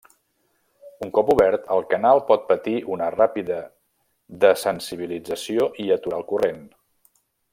Un cop obert, el canal pot patir una ràpida dessensibilització, i aturar el corrent.